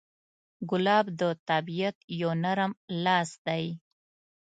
ګلاب د طبیعت یو نرم لاس دی.